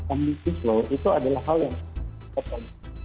omnibus law itu adalah hal yang potensial